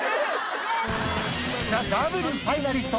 『ＴＨＥＷ』ファイナリスト